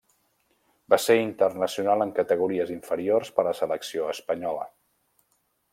Va ser internacional en categories inferiors per la selecció espanyola.